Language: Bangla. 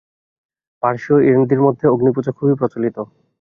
পারসী ও ইরানীদের মধ্যে অগ্নিপূজা খুব প্রচলিত।